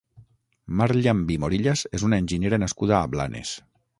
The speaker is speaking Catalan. Mar Llambí Morillas és una enginyera nascuda a Blanes.